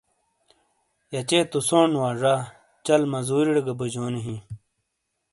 یہہ چے تو سون وا زا۔ چل مَزُوریڑے گہ بوجونی ہِیں۔